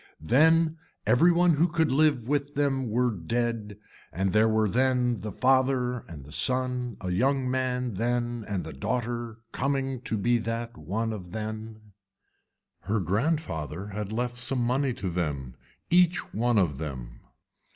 Then every one who could live with them were dead and there were then the father and the son a young man then and the daughter coming to be that one then. Her grandfather had left some money to them each one of them.